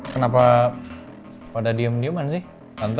kenapa pada diem dieman sih